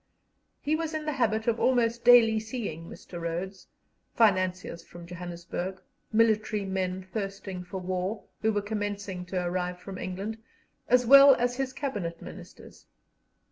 He was in the habit of almost daily seeing Mr. Rhodes, financiers from Johannesburg, military men thirsting for war, who were commencing to arrive from England, as well as his Cabinet Ministers.